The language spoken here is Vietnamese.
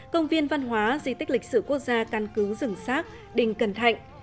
công viên văn hóa di tích lịch sử quốc gia căn cứ rừng xác đình cần thạnh